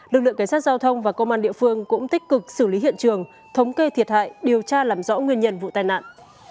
lực lượng cảnh sát giao thông và công an địa phương cũng tích cực xử lý hiện trường thống kê thiệt hại điều tra làm rõ nguyên nhân vụ tai nạn